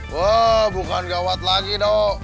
wah bukan gawat lagi dok